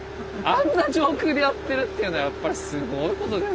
あんな上空でやってるっていうのはやっぱりすごいことですよね。